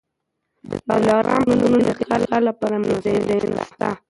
د دلارام په غرونو کي د ښکار لپاره مناسب ځایونه سته.